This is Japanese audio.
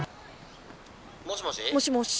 「もしもし？」。